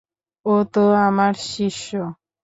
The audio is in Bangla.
ও তো আমার শিষ্য!